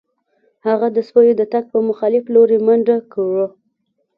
هغه د سپیو د تګ په مخالف لوري منډه کړه